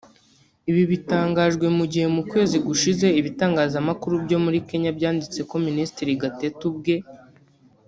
Ibi bitangajwe mu gihe mu kwezi gushize ibitangazamakuru byo muri Kenya byanditse ko Minisitiri Gatete ubwe